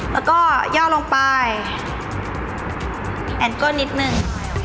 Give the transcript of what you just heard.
แล้วก็ย่อลงไปแอนเกิ้ลนิดนึง